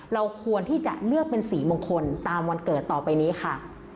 เราควรที่จะเลือกเป็นสีมงคลตามวันเกิดต่อไปนี้ค่ะ